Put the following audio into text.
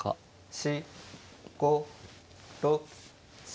４５６７。